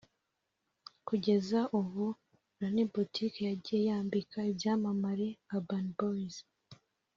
Kugeza ubu Ian Boutique yagiye yambika ibyamamare nka Urban Boys